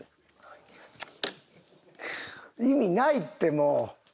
意味ないってもう。